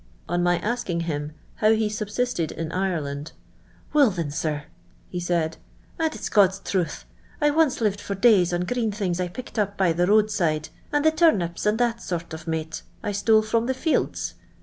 On my asking him how ho sub sisted in Ireland, *' Will, thin, sir,"' he said, "and it's (jod's truth, I once lived for days on green thinzs I picked up by the road side, and the turnips, <ind that sort of mate I stole from the fields.